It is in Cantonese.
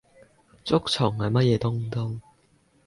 竹蟲係乜嘢東東？